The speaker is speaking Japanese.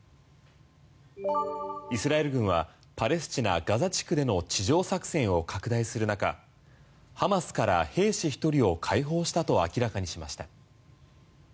イスラエル軍はパレスチナ・ガザ地区での地上作戦を拡大する中ハマスから兵士１人を解放したと明らかにしました。